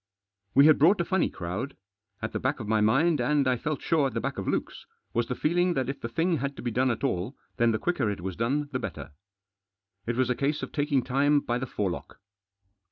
We had brought a funny crowd. At the back of my mind, and I felt sure at the back of Luke's, was the feeling that if the thing had to be done at all then the quicker it was done the better. It was a case of taking time by the forelock.